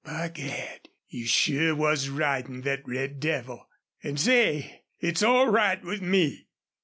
By Gad! you sure was ridin' thet red devil.... An' say, it's all right with me!"